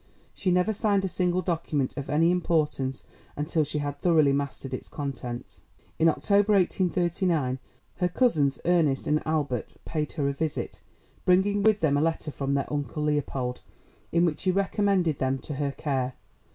She never signed a single document of any importance until she had thoroughly mastered its contents. In October, 1839, her cousins Ernest and Albert paid her a visit, bringing with them a letter from their uncle Leopold, in which he recommended them to her care.